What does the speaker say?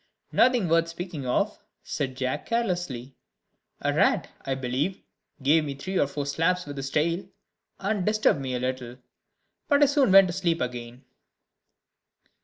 "Nothing worth speaking of," said Jack, carelessly; "a rat, I believe, gave me three or four slaps with his tail, and disturbed me a little, but I soon went to sleep again."